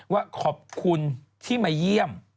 ว่าขอบคุณที่มาเยี่ยม